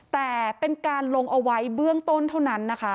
แต่เป็นการลงเอาไว้เบื้องต้นเท่านั้นนะคะ